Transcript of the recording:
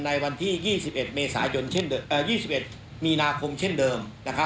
ในวันที่๒๑มีนาคมเช่นเดิม